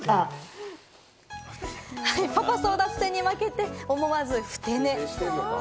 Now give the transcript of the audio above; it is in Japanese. パパ争奪戦に負けて思わずふて寝。